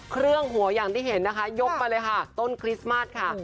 เครื่องหัวอย่างที่เห็นนะคะยกมาเลยค่ะต้นคริสต์มัสค่ะ